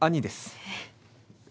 えっ？